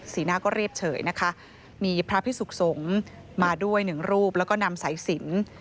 หน้าก็เรียบเฉยนะคะมีพระพิสุขสงฆ์มาด้วยหนึ่งรูปแล้วก็นำสายสิน